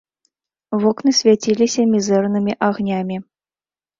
Вокны свяціліся мізэрнымі агнямі.